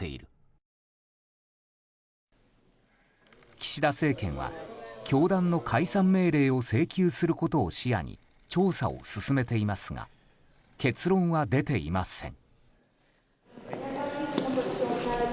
岸田政権は教団の解散命令を請求することを視野に調査を進めていますが結論は出ていません。